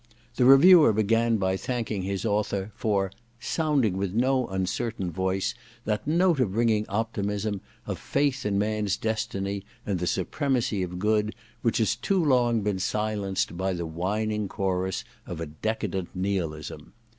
The reviewer began by thanking his author ^ for sounding with no uncertain voice that note of ringing optimism, of faith in man's destiny and the supremacy of good, which has too long been silenced by the whining chorus of a decadent nihilism.